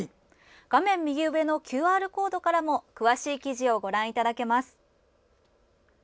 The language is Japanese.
画面右上のＱＲコードからも詳しい記事をご覧いただけます。